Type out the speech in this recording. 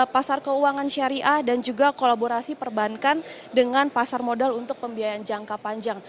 pasar keuangan syariah dan juga kolaborasi perbankan dengan pasar modal untuk pembiayaan jangka panjang